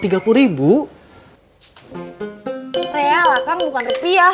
real akang bukan tepi ya